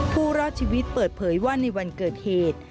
ผู้รอดชีวิตเปิดเผยว่าในวันเกิดเหตุ